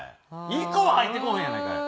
一個も入ってこうへんやないかい。